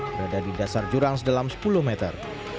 berada di dasar jurang sedalam sepuluh meter